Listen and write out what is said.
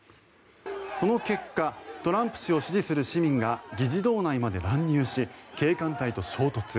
その結果トランプ氏を支持する市民が議事堂内まで乱入し警官隊と衝突。